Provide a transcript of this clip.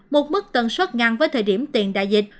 một mức tần suất ngang với thời điểm tiền đại dịch